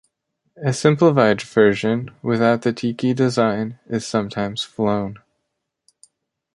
A simplified version, without the tiki design, is sometimes flown.